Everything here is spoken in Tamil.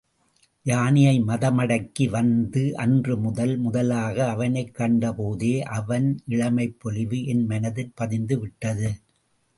யானையை மதமடக்கி வந்த அன்று, முதன் முதலாக அவனைக் கண்டபோதே, அவன் இளமைபொலிவு என் மனத்திற் பதிந்துவிட்டது.